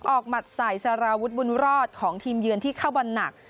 หมัดใส่สารวุฒิบุญรอดของทีมเยือนที่เข้าบอลหนัก